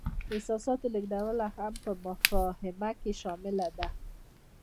د احساساتو لیږدونه هم په مفاهمه کې شامله ده.